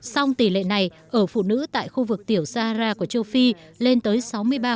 song tỷ lệ này ở phụ nữ tại khu vực tiểu sahara của châu phi lên tới sáu mươi ba hai và bảy mươi bốn hai ở nam á